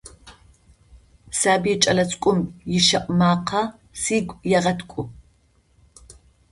Сабый кӏэлэцӏыкӏум ищэӏу макъэ сыгу егъэткӏу.